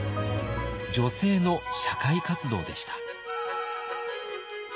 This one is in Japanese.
女性の社会活動でした。